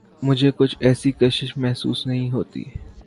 مجھے کچھ ایسی کشش محسوس نہیں ہوتی۔